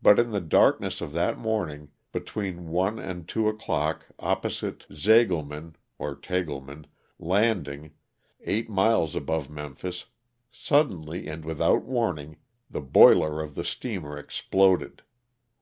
But in the darkness of that morning, between one and two o'clock opposite Zagleman (Tagleman) Landing, eight miles above Mem phis, suddenly and without warning, the boiler of the steamer exploded.